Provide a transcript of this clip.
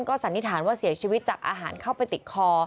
ก็สันนิษฐานว่าเสียชีวิตจากอาหารเข้าไปติดคอ